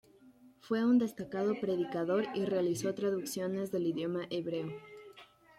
Fue un destacado predicador y realizó traducciones del idioma hebreo.